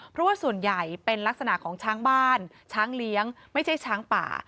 เพราะว่าส่วนใหญ่เป็นลักษณะของช้างบ้านช้างเลี้ยงไม่ใช่ช้างป่า